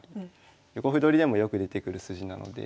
横歩取りでもよく出てくる筋なので。